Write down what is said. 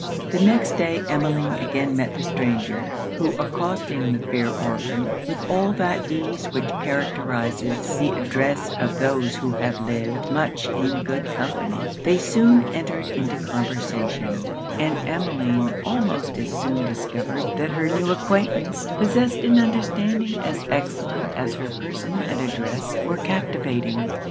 The next day Emmeline again met the stranger; who accosting the fair orphan with all that ease which characterises the address of those who have lived much in good company, they soon entered into conversation, and Emmeline almost as soon discovered that her new acquaintance possessed an understanding as excellent as her person and address were captivating.